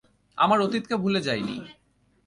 আমার অতীতকে ভুলে যাইনি।